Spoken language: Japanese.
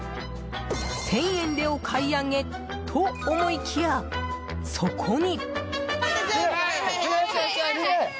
１０００円でお買い上げと思いきや、そこに。